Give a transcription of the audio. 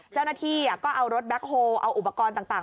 เจ้าหน้าที่ก็เอารถแบ็คโฮลเอาอุปกรณ์ต่าง